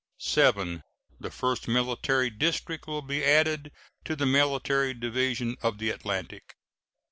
VII. The First Military District will be added to the Military Division of the Atlantic.